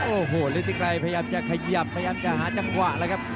โอ้โหฤทธิไกรพยายามจะขยับพยายามจะหาจังหวะแล้วครับ